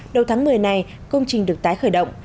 đầu tháng một mươi này công trình được tái khởi động